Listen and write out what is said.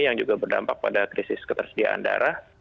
yang juga berdampak pada krisis ketersediaan darah